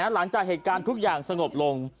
หลังจากเหตุการณ์ทุกอย่างสงบลง